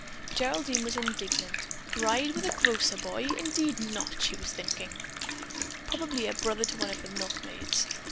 Geraldine was indignant. "Ride with a grocer boy? Indeed not!" she was thinking. "Probably a brother to one of the milkmaids."